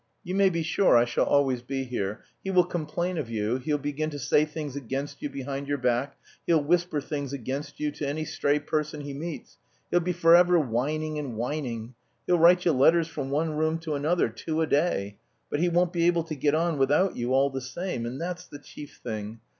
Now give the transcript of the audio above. You may be sure I shall always be here. He will complain of you, he'll begin to say things against you behind your back, he'll whisper things against you to any stray person he meets, he'll be for ever whining and whining; he'll write you letters from one room to another, two a day, but he won't be able to get on without you all the same, and that's the chief thing.